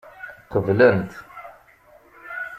Qeblent.